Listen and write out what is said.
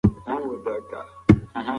تاسې هم خپل دننه لمر پیدا کړئ.